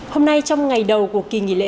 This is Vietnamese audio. hôm nay trong ngày đầu của kỳ nghỉ lễ